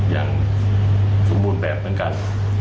อย่างสมบูรณ์แบบเหมือนกัน